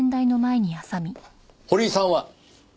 堀井さんは？